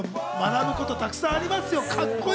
学ぶことがたくさんありますよ。